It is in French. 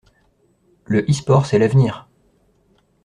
Le eSport c'est l'avenir!